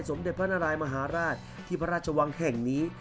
สมเด็จพระนารายมหาราชที่พระราชวังแห่งนี้